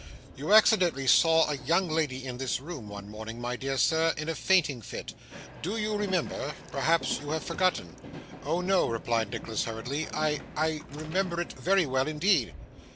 'You accidentally saw a young lady in this room one morning, my dear sir, in a fainting fit. Do you remember? Perhaps you have forgotten.' 'Oh no,' replied Nicholas, hurriedly. 'I I remember it very well indeed.